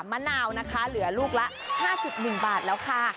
มะนาวนะคะเหลือลูกละ๕๑บาทแล้วค่ะ